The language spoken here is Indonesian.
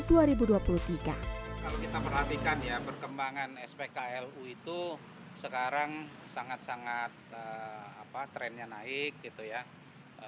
kalau kita perhatikan ya perkembangan spklu itu sekarang sangat sangat trendnya naik gitu ya